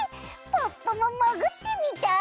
ポッポももぐってみたい！